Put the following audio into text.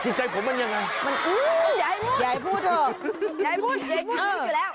จิตใจผมมันยังไงอย่าให้พูดอย่าให้พูดอยู่แล้ว